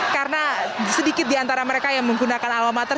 karena sedikit di antara mereka yang menggunakan alamater